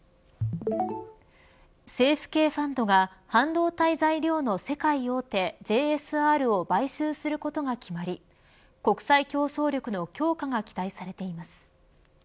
政府系ファンドが半導体材料の世界大手ＪＳＲを買収することが決まり国際競争力の強化が期待されています。